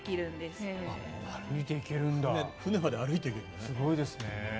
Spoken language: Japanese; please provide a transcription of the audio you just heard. すごいですね。